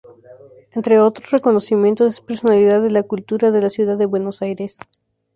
Entre otros reconocimientos es Personalidad de la Cultura de la ciudad de Buenos Aires.